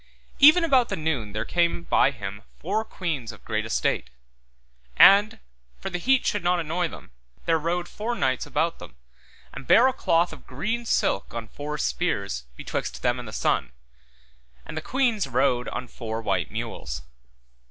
Even about the noon there came by him four queens of great estate; and, for the heat should not annoy them, there rode four knights about them, and bare a cloth of green silk on four spears, betwixt them and the sun, and the queens rode on four white mules.